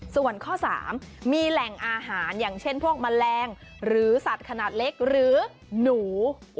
ส่วนข้อ๓มีแหล่งอาหารอย่างเช่นพวกแมลงหรือสัตว์ขนาดเล็กหรือหนู